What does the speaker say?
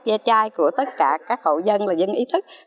da chai của tất cả các hậu dân là dân ý thức